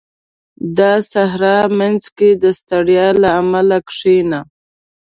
• د صحرا په منځ کې د ستړیا له امله کښېنه.